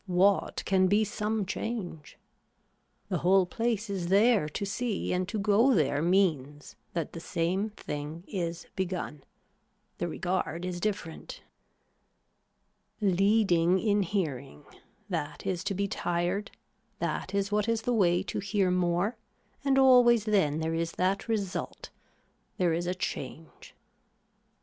What can be some change. The whole place is there to see and to go there means that the same thing is begun. The regard is different. Leading in hearing, that is to be tired, that is what is the way to hear more and always then there is that result, there is a change.